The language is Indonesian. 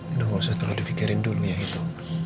ini gak usah setelah difikirin dulu ya itu